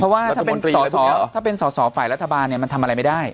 เพราะว่าถ้าเป็นสอสอถ้าเป็นสอสอฝ่ายรัฐบาลมันทำอะไรไม่ได้